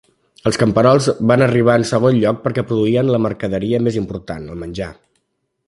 Els camperols van arribar en segon lloc perquè produïen la mercaderia més important, el menjar.